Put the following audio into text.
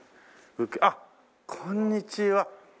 あっこんにちは。